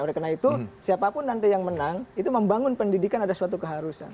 oleh karena itu siapapun nanti yang menang itu membangun pendidikan ada suatu keharusan